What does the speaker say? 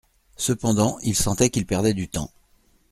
Cependant il sentait qu'il perdait du temps.